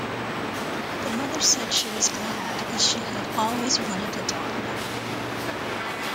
The mother said she was glad, as she had always wanted a daughter.